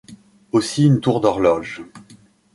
Aussi une tour d'horloge.